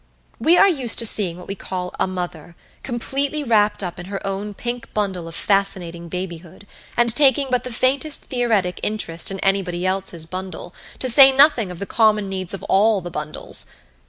We are used to seeing what we call "a mother" completely wrapped up in her own pink bundle of fascinating babyhood, and taking but the faintest theoretic interest in anybody else's bundle, to say nothing of the common needs of all the bundles.